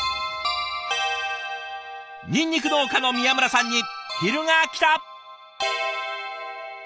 ニンニク農家の宮村さんに昼がきた。